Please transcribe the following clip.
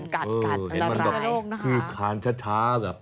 คือคานชัดช้าแบบ